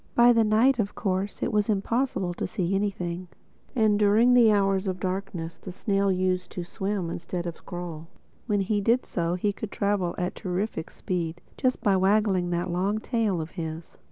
By night of course it was impossible to see anything; and during the hours of darkness the snail used to swim instead of crawl. When he did so he could travel at a terrific speed, just by waggling that long tail of his.